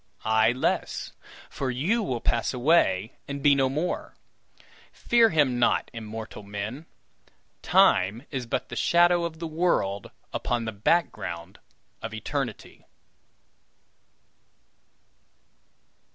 Ay, less, for you will pass away and be no more. Fear him not, immortal men. Time is but the shadow of the world upon the background of Eternity!"